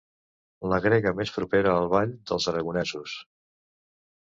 La grega més propera al ball dels aragonesos.